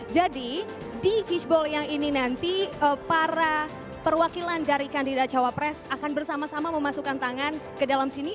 jadi di fishbowl yang ini nanti para perwakilan dari kandidat cawa press akan bersama sama memasukkan tangan ke dalam sini